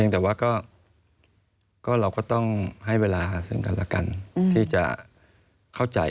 แต่ว่าเราก็ต้องให้เวลาซึ่งกันแล้วกันที่จะเข้าใจ